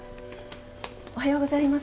おはようございます。